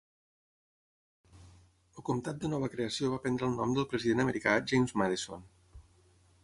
El comtat de nova creació va prendre el nom del president americà James Madison.